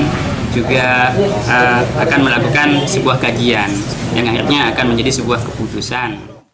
kemudian juga akan melakukan sebuah kajian yang akhirnya akan menjadi sebuah keputusan